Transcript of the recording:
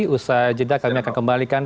usai jeda kami akan kembalikan